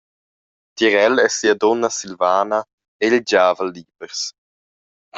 Tier el e sia dunna Silvana ei il giavel libers.